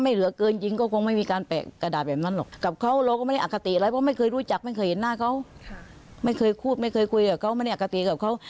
ไม่เคยคุยกับเขาไม่เคยคุยกับเขาไม่ได้อากติกับเขา